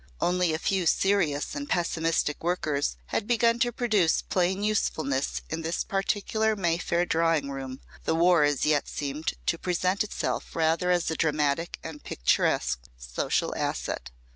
Only a few serious and pessimistic workers had begun to produce plain usefulness and in this particular Mayfair drawing room "the War" as yet seemed to present itself rather as a dramatic and picturesque social asset.